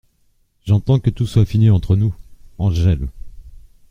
J’entends que tout soit fini entre nous !" Angèle .